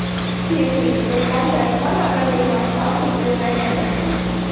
Piekrītu, bet konkrēti manā gadījumā sāpes bija nepanesamas.